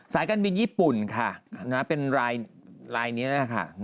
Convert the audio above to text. การบินญี่ปุ่นค่ะเป็นรายนี้นะคะ